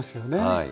はい。